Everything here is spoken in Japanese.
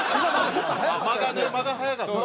まだねまだ早かった。